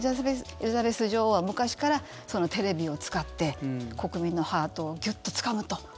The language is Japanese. エリザベス女王は昔からテレビを使って国民のハートをギュッとつかむと。